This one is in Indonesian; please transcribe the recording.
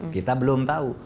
kita belum tahu